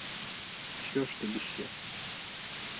А що ж тобі ще?